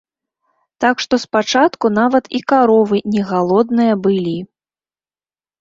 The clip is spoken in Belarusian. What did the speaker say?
Так што спачатку нават і каровы не галодныя былі.